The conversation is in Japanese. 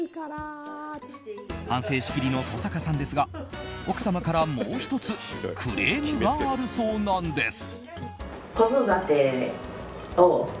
反省しきりの登坂さんですが奥様からもう１つクレームがあるそうなんです。